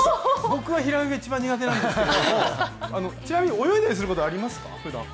僕は平泳ぎが一番苦手なんですけどちなみに泳いだりすることはありますか、ふだん。